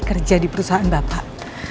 kerja di perusahaan bapak